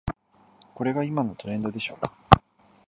これが今のトレンドでしょ